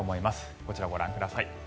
こちら、ご覧ください。